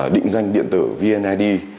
định danh điện tử vneid